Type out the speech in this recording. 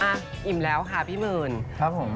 อาอร์อิ่มแล้วค่ะพี่มื่น